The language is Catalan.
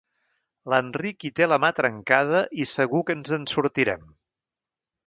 L'Enric hi té la mà trencada i segur que ens en sortirem.